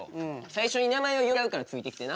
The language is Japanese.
最初に名前を呼び合うからついてきてな。